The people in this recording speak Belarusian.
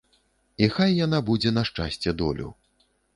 І хай яна будзе на шчасце-долю.